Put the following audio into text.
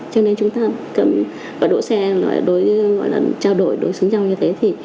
cho nên chúng ta cầm và đổ xe gọi là trao đổi đối xứng nhau như thế thì